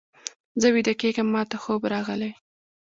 زه ویده کېږم، ماته خوب راغلی.